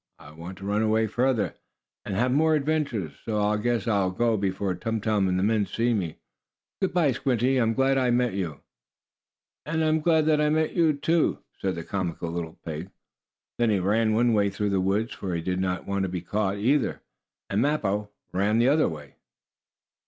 "I want to run away farther, and have more adventures. So I guess I'll go before Tum Tum and the men see me. Good by, Squinty. I'm glad I met you." "And I'm glad that I met you," said the comical little pig. Then he ran one way through the woods, for he did not want to be caught, either, and Mappo ran the other way.